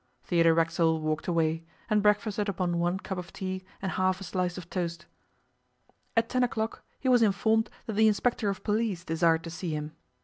Theodore Racksole walked away, and breakfasted upon one cup of tea and half a slice of toast. At ten o'clock he was informed that the inspector of police desired to see him.